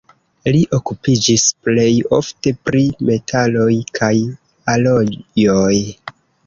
Li okupiĝis plej ofte pri metaloj kaj alojoj.